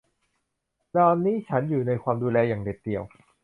ตอนนี้ฉันอยู่ในความดูแลอย่างเด็ดเดี่ยว